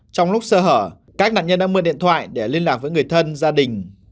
trong lúc sơ hở các nạn nhân đã mượn điện thoại để liên lạc với người thân gia đình